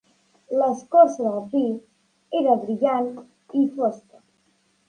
L'escorça del pi era brillant i fosca.